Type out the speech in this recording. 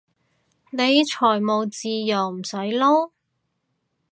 你財務自由唔使撈？